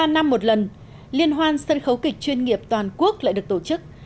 ba năm một lần liên hoan sân khấu kịch chuyên nghiệp toàn quốc lại được tổ chức